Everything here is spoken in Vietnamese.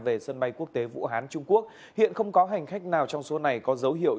về sân bay quốc tế vũ hán trung quốc hiện không có hành khách nào trong số này có dấu hiệu